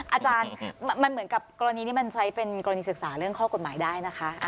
อาจารย์มันเหมือนกับกรณีนี้มันใช้เป็นกรณีศึกษาเรื่องข้อกฎหมายได้นะคะ